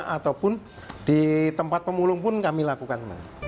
ataupun di tempat pemulung pun kami lakukan